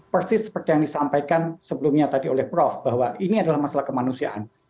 persis seperti yang disampaikan sebelumnya tadi oleh prof bahwa ini adalah masalah kemanusiaan